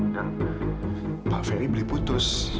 dan pak ferry beli putus